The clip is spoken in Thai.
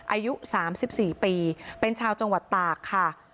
อายุ๓๔ปีเป็นชาวจังหวัดตากค่ะ